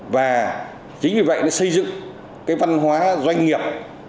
và chính vì vậy nó xây dựng cái văn hóa doanh nghiệp